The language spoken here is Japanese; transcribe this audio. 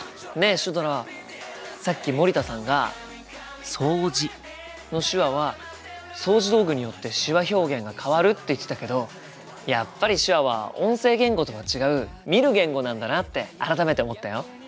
シュドラさっき森田さんが「掃除」の手話は掃除道具によって手話表現が変わるって言ってたけどやっぱり手話は音声言語とは違う見る言語なんだなって改めて思ったよ。